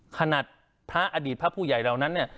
ขนาดพระอดีตพระผู้ใหญ่เหล่านั้นเนี่ย